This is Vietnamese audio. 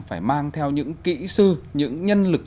phải mang theo những kỹ sư những nhân lực